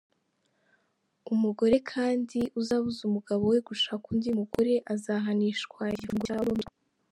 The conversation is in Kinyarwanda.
Umugore kandi uzabuza umugabo we gushaka undi mugore azahanishwa igifungo cya burundu.